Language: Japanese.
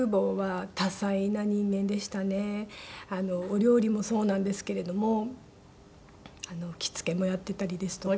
お料理もそうなんですけれども着付けもやっていたりですとか。